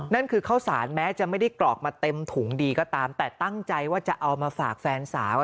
นั่นคือข้าวสารแม้จะไม่ได้กรอกมาเต็มถุงดีก็ตามแต่ตั้งใจว่าจะเอามาฝากแฟนสาว